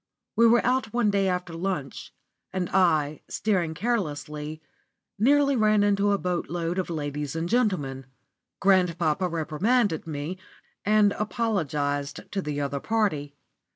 We were out one day after lunch, and I, steering carelessly, nearly ran into a boatload of ladies and gentlemen. Grandpapa reprimanded me, and apologised to the other party.